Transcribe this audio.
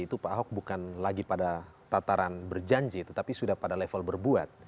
itu pak ahok bukan lagi pada tataran berjanji tetapi sudah pada level berbuat